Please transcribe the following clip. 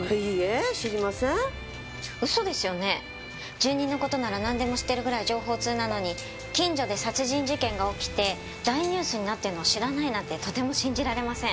住人の事ならなんでも知ってるぐらい情報通なのに近所で殺人事件が起きて大ニュースになっているのを知らないなんてとても信じられません。